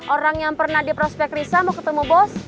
orang yang pernah di prospek risa mau ketemu bos